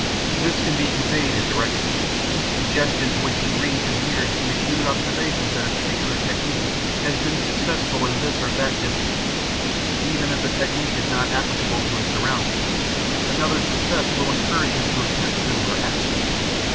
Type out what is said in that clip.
This can be conveyed indirectly: suggestions which he reads and hears can include observations that a particular technique has been successful in this or that district. Even if the technique is not applicable to his surroundings, another's success will encourage him to attempt similar acts.